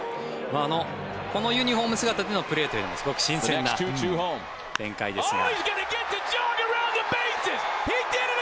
このユニホーム姿でのプレーというのもすごく新鮮な展開ですが。